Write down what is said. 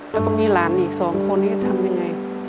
แล้วก็มีหลานอีก๒คนคิดจะไม่งั้ย